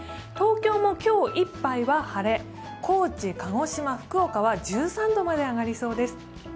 東京も今日いっぱいは晴れ、高知、鹿児島、福岡は１３度まで上がりそうです。